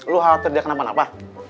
lo khawatir dia kenapa napa